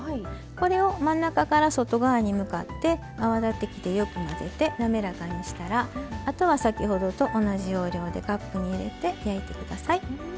これを真ん中から外側に向かって泡立て器でよく混ぜて滑らかにしたらあとは先ほどと同じ要領でカップに入れて焼いて下さい。